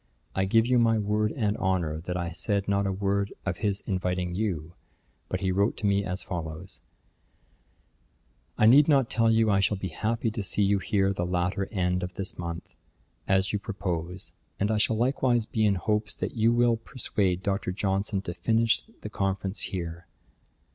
I give you my word and honour that I said not a word of his inviting you; but he wrote to me as follows: '"I need not tell you I shall be happy to see you here the latter end of this month, as you propose; and I shall likewise be in hopes that you will persuade Dr. Johnson to finish the conference here.